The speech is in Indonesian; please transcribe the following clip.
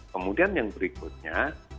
kemudian yang berikutnya